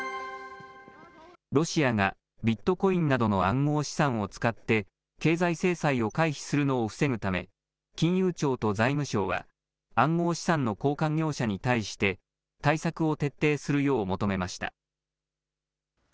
ロシアがビットコインなどの暗号資産を使って、経済制裁を回避するのを防ぐため、金融庁と財務省は、暗号資産の交換業者に対して、対策を徹底するよう求めました。